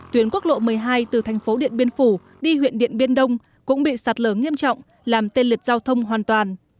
tuyến quốc lộ một mươi hai từ thành phố điện biên phủ đi huyện điện biên đông cũng bị sạt lở nghiêm trọng làm tê liệt giao thông hoàn toàn